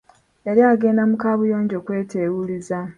Yali agenda mu kabuyonjo kwetewuluzaako.